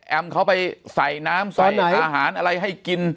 เขาไปใส่น้ำใส่อาหารอะไรให้กิน